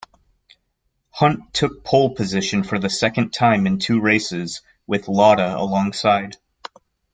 Hunt took pole position for the second time in two races, with Lauda alongside.